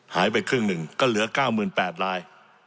หายไปครึ่งหนึ่งก็เหลือ๙๘๐๐ราย